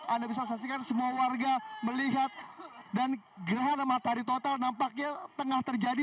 anda bisa saksikan semua warga melihat dan gerhana matahari total nampaknya tengah terjadi